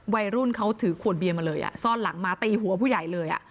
วัยรุ่นเขาถือขวดเบียนมาเลยซ่อนหลังมาตีหัวผู้ใหญ่เลย